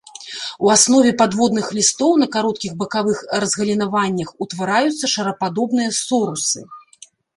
У аснове падводных лістоў на кароткіх бакавых разгалінаваннях утвараюцца шарападобныя сорусы.